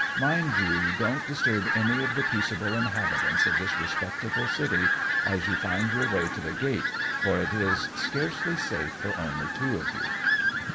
Mind you don't disturb any of the peaceable inhabitants of this respectable city, as you find your way to the gate, for it is scarcely safe for only two of you."